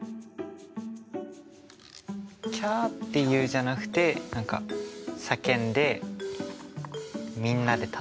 「キャって言う」じゃなくて何か叫んでみんなで楽しむみたいな。